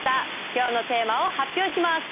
今日のテーマを発表します。